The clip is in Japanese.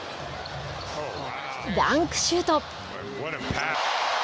ダンクシュート。